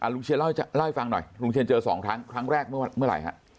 ลุงเชียนเล่าให้ฟังหน่อยลุงเชียนเจอ๒ครั้งครั้งแรกเมื่อไหร่ฮะ